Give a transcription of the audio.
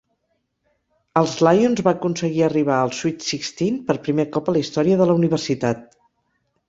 Els Lions va aconseguir arribar als "Sweet Sixteen" per primer cop a la història de la universitat.